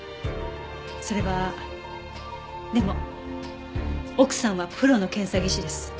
それはでも奥さんはプロの検査技師です。